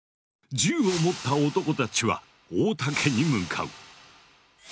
銃を持った男たちは太田家に向かう。